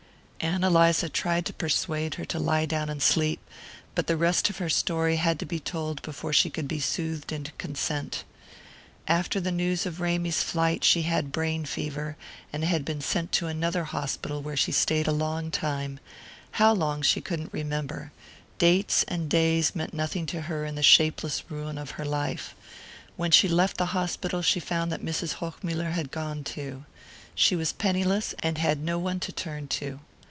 Ann Eliza tried to persuade her to lie down and sleep, but the rest of her story had to be told before she could be soothed into consent. After the news of Ramy's flight she had had brain fever, and had been sent to another hospital where she stayed a long time how long she couldn't remember. Dates and days meant nothing to her in the shapeless ruin of her life. When she left the hospital she found that Mrs. Hochmuller had gone too. She was penniless, and had no one to turn to.